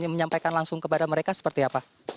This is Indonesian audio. yang menyampaikan langsung kepada mereka seperti apa